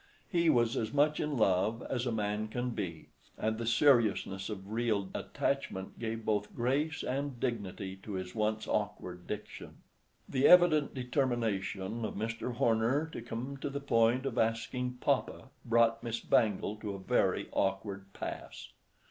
He was as much in love as a man can be, and the seriousness of real attachment gave both grace and dignity to his once awkward diction. The evident determination of Mr. Horner to come to the point of asking papa brought Miss Bangle to a very awkward pass.